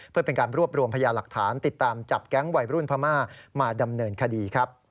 เพื่อเป็นการรวบรวมพยาหลักฐานติดตามจับแก๊งวัยรุ่นพม่ามาดำเนินคดีครับ